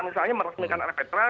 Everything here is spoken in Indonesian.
misalnya meresmikan rptra